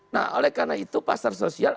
nah oleh karena itu pasar sosial